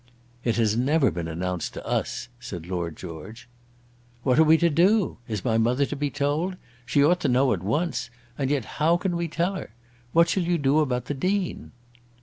"It has never been announced to us," said Lord George. "What are we to do? is my mother to be told? She ought to know at once; and yet how can we tell her? What shall you do about the Dean?"